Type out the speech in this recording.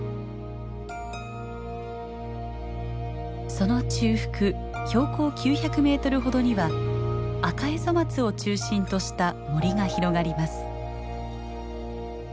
その中腹標高９００メートルほどにはアカエゾマツを中心とした森が広がります。